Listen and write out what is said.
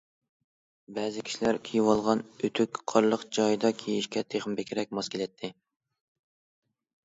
بەزى كىشىلەر كىيىۋالغان ئۆتۈك قارلىق جايدا كىيىشكە تېخىمۇ بەكرەك ماس كېلەتتى.